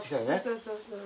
そうそうそう。